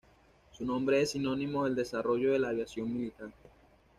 Su nombre es "sinónimo del desarrollo de la aviación militar".